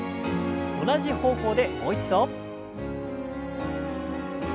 同じ方向でもう一度。